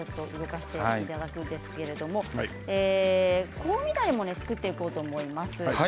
香味だれも作っていこうと思います。